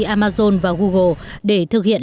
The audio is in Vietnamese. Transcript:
amazon và google để thực hiện